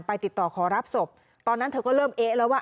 ติดต่อขอรับศพตอนนั้นเธอก็เริ่มเอ๊ะแล้วว่า